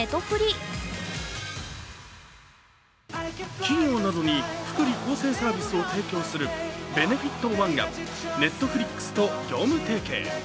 企業などに福利厚生サービスを提供するベネフィット・ワンがＮｅｔｆｌｉｘと業務提携。